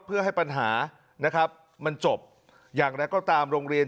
เพื่อให้ปัญหานะครับมันจบอย่างไรก็ตามโรงเรียน